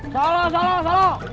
salah salah salah